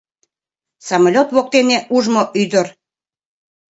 — Самолёт воктене ужмо ӱдыр...